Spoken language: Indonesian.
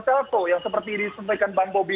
telko yang seperti disampaikan bang bobi